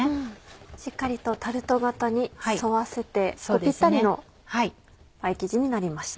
しっかりとタルト型に沿わせてぴったりのパイ生地になりました。